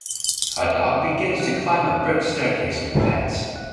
A dog begins to climb a brick staircase near plants.